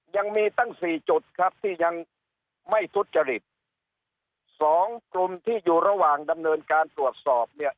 ยังมีตั้งสี่จุดครับที่ยังไม่ทุจริตสองกลุ่มที่อยู่ระหว่างดำเนินการตรวจสอบเนี่ย